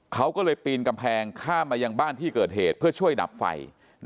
เขาก็เลยปีนกำแพงข้ามมายังบ้านที่เกิดเหตุเพื่อช่วยดับไฟ